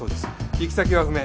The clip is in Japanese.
行き先は不明。